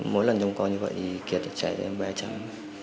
mỗi lần trong coi như vậy thì kiệt chảy ra em bé trắng